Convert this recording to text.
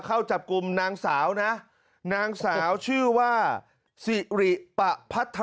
เข้าจับกลุ่มนางสาวนะนางสาวชื่อว่าสิริปะพัทธ